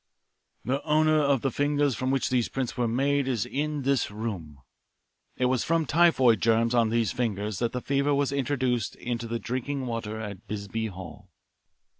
"The owner of the fingers from which these prints were made is in this room. It was from typhoid germs on these fingers that the fever was introduced into the drinking water at Bisbee Hall."